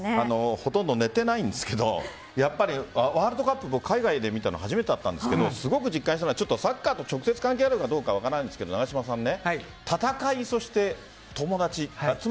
ほとんど寝ていないんですけどやっぱりワールドカップ海外で見たのは初めてでしたがすごく実感したのはサッカーと直接関係あるかどうかは分かりませんが戦い、そして友達。